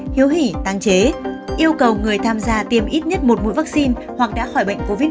hiếu hỉ tăng chế yêu cầu người tham gia tiêm ít nhất một mũi vaccine hoặc đã khỏi bệnh covid một mươi chín